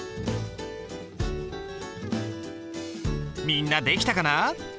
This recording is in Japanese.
みんなできたかな？